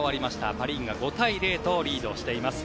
パ・リーグが５対０とリードしています。